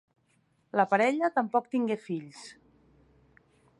La parella tampoc tingué fills.